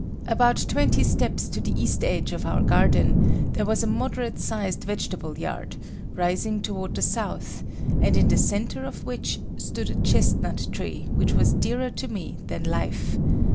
About twenty steps to the east edge of our garden, there was a moderate sized vegetable yard, rising toward the south, and in the centre of which stood a chestnut tree which was dearer to me than life.